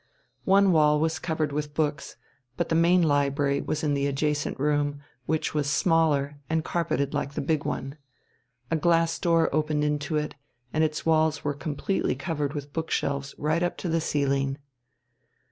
One wall was covered with books, but the main library was in the adjacent room, which was smaller, and carpeted like the big one. A glass door opened into it, and its walls were completely covered with bookshelves right up to the ceiling.